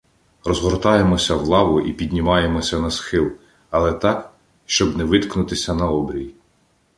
Розгортаємося в лаву і піднімаємося на схил, але так, щоб не виткнутися на обрій.